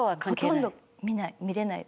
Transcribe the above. ほとんど見ない。